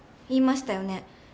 言いましたよね